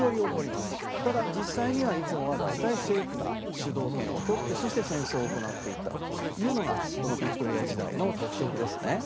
ただ実際にはいつもは大体政府が主導権を取ってそして戦争を行っていったというのがこのヴィクトリア時代の特色ですね。